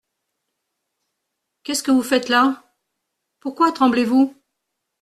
Qu’est-ce que vous faites-là ? pourquoi tremblez-vous ?